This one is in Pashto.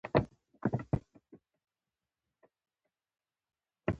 خو بريا لا هم بشپړه شوې نه وه.